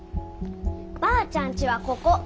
ばあちゃんちはここ！